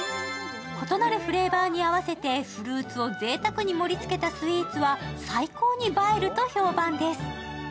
異なるフレーバーに合わせてフルーツを盛り付けたスーツは最高に映えると評判です。